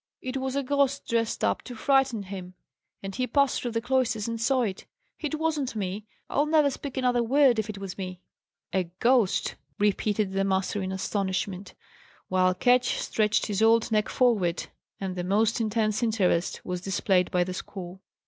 "It was a ghost dressed up to frighten him, and he passed through the cloisters and saw it. It wasn't me! I'll never speak another word, if it was me!" "A ghost!" repeated the master in astonishment, while Ketch stretched his old neck forward, and the most intense interest was displayed by the school.